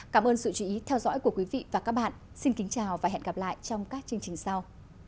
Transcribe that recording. cảm ơn sự chú ý theo dõi của quý vị và các bạn xin kính chào và hẹn gặp lại trong các chương trình sau